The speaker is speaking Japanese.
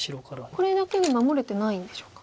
これだけで守れてないんでしょうか。